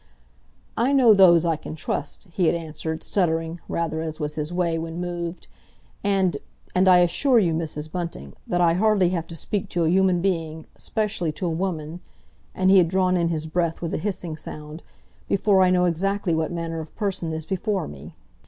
"I know those I can trust," he had answered, stuttering rather, as was his way when moved. "And—and I assure you, Mrs. Bunting, that I hardly have to speak to a human being—especially to a woman" (and he had drawn in his breath with a hissing sound) "before I know exactly what manner of person is before me."